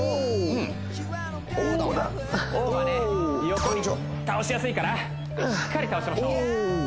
横に倒しやすいからしっかり倒しましょう